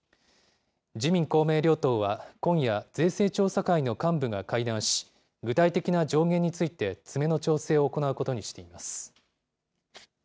自民、公明両党は今夜、税制調査会の幹部が会談し、具体的な上限について詰めの調整を行うことにしています。